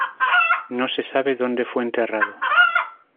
No se sabe donde fue enterrado.